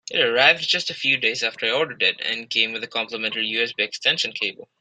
It arrived just a few days after I ordered it, and came with a complementary USB extension cable.